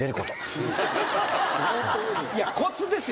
いやコツですよ